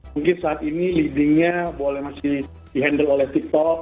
mungkin saat ini leadingnya boleh masih di handle oleh tiktok